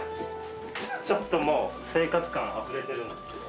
ちょっともう生活感あふれてるんですけど。